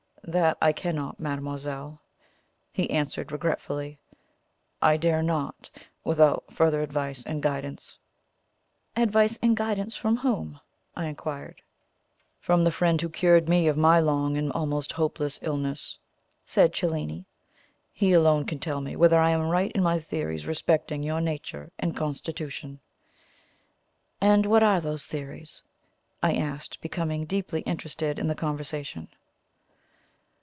"That I cannot, mademoiselle," he answered regretfully; "I dare not, without further advice and guidance." "Advice and guidance from whom?" I inquired. "From the friend who cured me of my long and almost hopeless illness," said Cellini. "He alone can tell me whether I am right in my theories respecting your nature and constitution." "And what are those theories?" I asked, becoming deeply interested in the conversation.